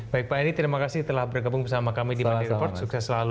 baik pak edi terima kasih telah bergabung bersama kami di mony report sukses selalu